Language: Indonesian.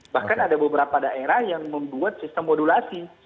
bahkan ada beberapa daerah yang membuat sistem modulasi